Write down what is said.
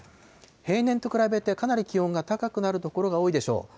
平年と比べてかなり気温が高くなる所が多いでしょう。